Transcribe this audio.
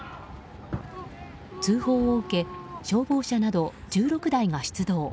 通報を受け消防車など１６台が出動。